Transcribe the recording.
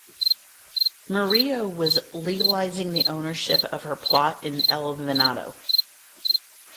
Murillo was legalizing the ownership of her plot in El Venado.